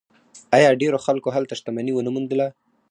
آیا ډیرو خلکو هلته شتمني ونه موندله؟